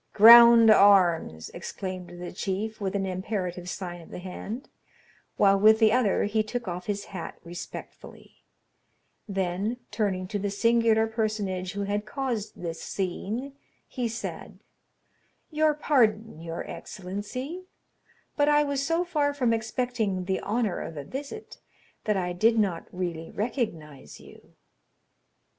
20207m "Ground arms," exclaimed the chief, with an imperative sign of the hand, while with the other he took off his hat respectfully; then, turning to the singular personage who had caused this scene, he said, "Your pardon, your excellency, but I was so far from expecting the honor of a visit, that I did not really recognize you."